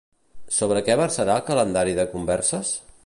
Sobre què versarà el calendari de converses?